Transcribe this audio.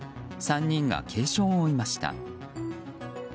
３人が軽傷を負いました。